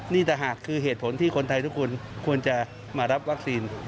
นี่แต่หากคือเหตุผลที่คนไทยทุกคนควรจะมารับวัคซีน